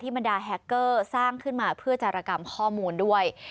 บรรดาแฮคเกอร์สร้างขึ้นมาเพื่อจารกรรมข้อมูลด้วย